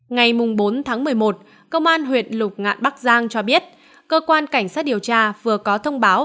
ngày bốn tháng một mươi một công an huyện lục ngạn bắc giang cho biết cơ quan cảnh sát điều tra vừa có thông báo